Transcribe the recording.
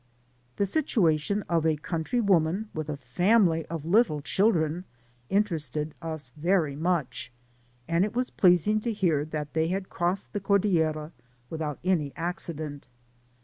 The situation of a country woman with a family of little children interested us very much, and it was pleasing to hear that they had crossed the Cor* dillera without any accident.